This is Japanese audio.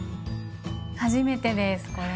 初めてですこれ。